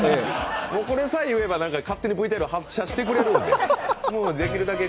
これさえ言えば勝手にＶＴＲ発してくれるんで。